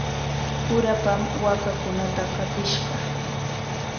Urapam waakakunata qatishqa.